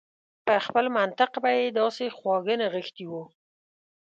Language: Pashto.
په خپل منطق به يې داسې خواږه نغښتي و.